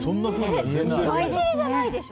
人見知りじゃないでしょ？